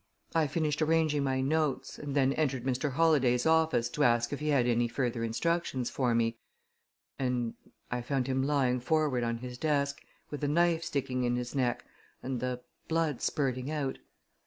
I finished arranging my notes, and then entered Mr. Holladay's office to ask if he had any further instructions for me, and I found him lying forward on his desk, with a knife sticking in his neck and the blood spurting out.